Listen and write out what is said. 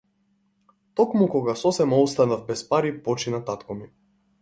Токму кога сосема останав без пари, почина татко ми.